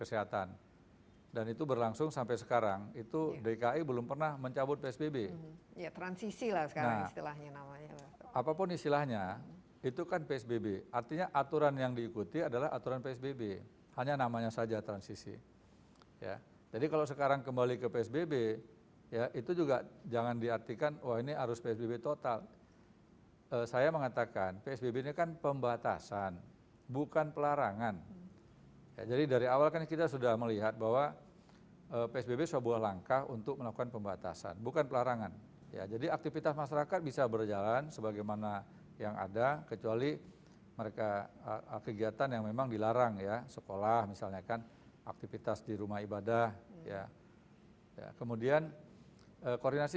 yang seharusnya kita lakukan sejak awal masalah menggunakan masker mencuci tangan menjaga jarak ini